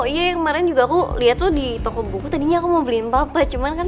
iya yang kemarin juga aku lihat tuh di toko buku tadinya aku mau beliin papa cuman kan